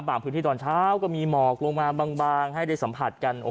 พื้นที่ตอนเช้าก็มีหมอกลงมาบางให้ได้สัมผัสกัน